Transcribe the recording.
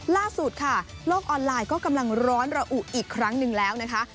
ล่าสุดค่ะโลกออนไลน์ก็กำลังร้อนระอุอีกครั้งหนึ่งแล้วนะคะ